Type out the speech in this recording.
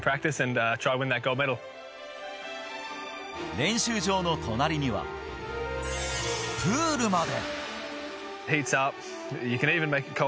練習場の隣には、プールまで。